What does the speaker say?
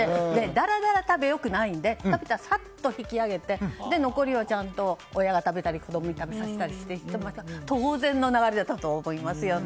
だらだら食べはよくないので食べたらさっと引き上げて残りをちゃんと親が食べたり子供に食べさせたりは当然の流れだと思いますよね。